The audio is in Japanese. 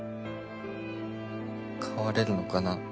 変われるのかな？